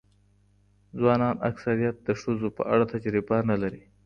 ځوانان اکثره د ښځو په اړه تجربه نه لري.